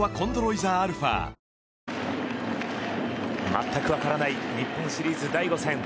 全く分からない日本シリーズ第５戦。